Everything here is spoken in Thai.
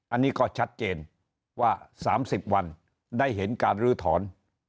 อันนี้ก็ชัดเจนว่า๓๐วันได้เห็นการลื้อถอน